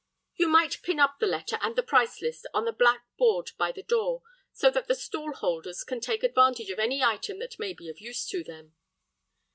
"You might pin up the letter and the price list on the black board by the door, so that the stall holders can take advantage of any item that may be of use to them."